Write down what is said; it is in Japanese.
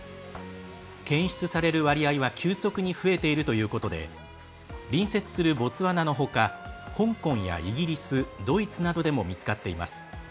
検出される割合は急速に増えているということで隣接するボツワナのほか香港やイギリスドイツなどでも見つかっています。